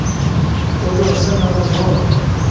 تو جو اصل نالو ڇو و؟